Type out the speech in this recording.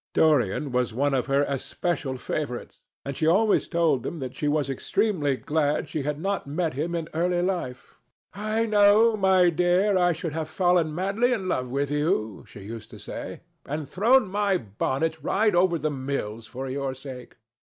Dorian was one of her especial favourites, and she always told him that she was extremely glad she had not met him in early life. "I know, my dear, I should have fallen madly in love with you," she used to say, "and thrown my bonnet right over the mills for your sake.